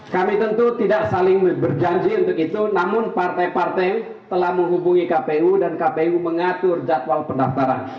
kami tentu tidak saling berjanji untuk itu namun partai partai telah menghubungi kpu dan kpu mengatur jadwal pendaftaran